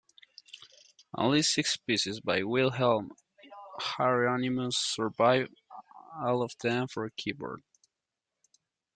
Only six pieces by Wilhelm Hieronymus survive, all of them for keyboard.